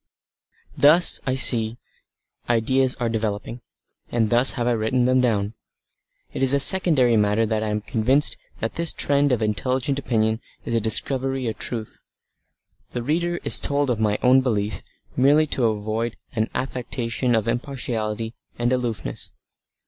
Thus, I see, ideas are developing, and thus have I written them down. It is a secondary matter that I am convinced that this trend of intelligent opinion is a discovery of truth. The reader is told of my own belief merely to avoid an affectation of impartiality and aloofness.